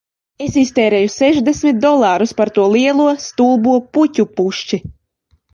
Es iztērēju sešdesmit dolārus par to lielo stulbo puķu pušķi